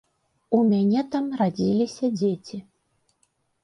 У мяне там радзіліся дзеці.